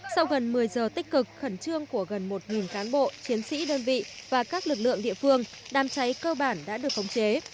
sau gần một mươi giờ tích cực khẩn trương của gần một cán bộ chiến sĩ đơn vị và các lực lượng địa phương đám cháy cơ bản đã được khống chế